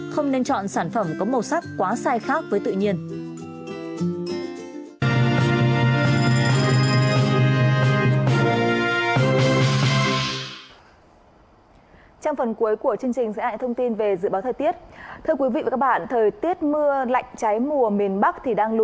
không nên chọn sản phẩm có màu sắc quá sai khác với tự nhiên